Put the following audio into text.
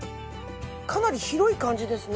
かなり広い感じですね。